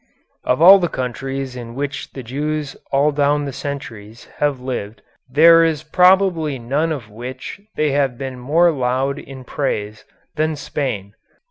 Of all the countries in which the Jews all down the centuries have lived there is probably none of which they have been more loud in praise than Spain.